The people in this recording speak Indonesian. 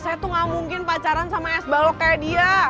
saya tuh gak mungkin pacaran sama es balok kayak dia